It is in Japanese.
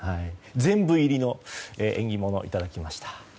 全部入りの縁起物いただきました。